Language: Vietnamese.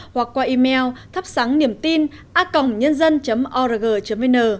hoặc qua email thapsangniemtinacong vn